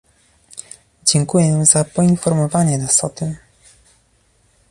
Dziękuję za poinformowanie nas o tym